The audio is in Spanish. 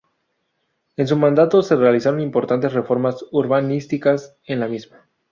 En su mandato se realizaron importantes reformas urbanísticas en la misma.